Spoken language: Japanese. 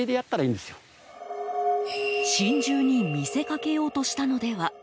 心中に見せかけようとしたのでは？